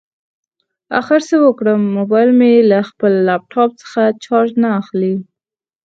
اخر څه وکړم؟ مبایل مې له خپل لاپټاپ څخه چارج نه اخلي